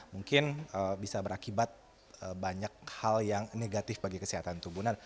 mungkin bisa berakibat banyak hal yang negatif bagi kesehatan tubuh